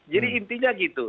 jadi intinya gitu